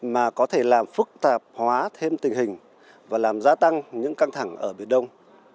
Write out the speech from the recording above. mà có thể làm phức tạp hóa thêm tình hình và làm gia tăng những căng thẳng ở biển đông